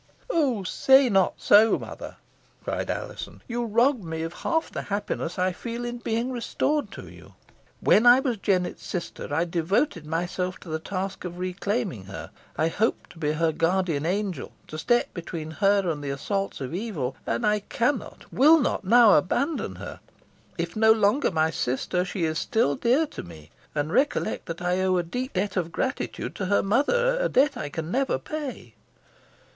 "Oh! say not so, mother," cried Alizon. "You rob me of half the happiness I feel in being restored to you. When I was Jennets sister, I devoted myself to the task of reclaiming her. I hoped to be her guardian angel to step between her and the assaults of evil and I cannot, will not, now abandon her. If no longer my sister, she is still dear to me. And recollect that I owe a deep debt of gratitude to her mother a debt I can never pay."